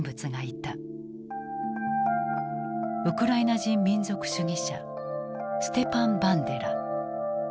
ウクライナ人民族主義者ステパン・バンデラ。